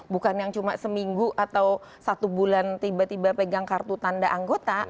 bukan yang cuma seminggu atau satu bulan tiba tiba pegang kartu tanda anggota